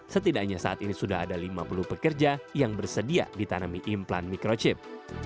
setidaknya saat ini sudah ada lima puluh pekerja yang bersedia ditanami implan microchip